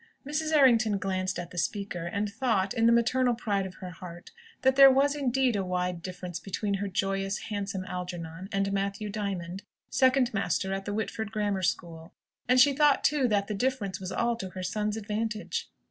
Mrs. Errington glanced at the speaker, and thought, in the maternal pride of her heart, that there was indeed a wide difference between her joyous, handsome Algernon, and Matthew Diamond, second master at the Whitford Grammar School; and she thought, too, that the difference was all to her son's advantage.